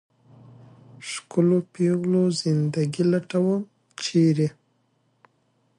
ښکلو پېغلو زنده ګي لټوم ، چېرې ؟